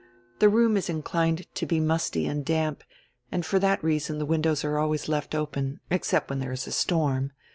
The room is inclined to be musty and damp, and for diat reason die windows are always left open, except when diere is a storm.